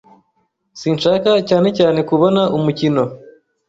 Sinshaka cyane cyane kubona umukino.